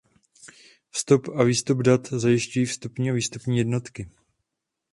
Vstup a výstup dat zajišťují vstupní a výstupní jednotky.